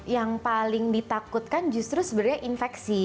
yang paling ditakutkan justru sebenarnya infeksi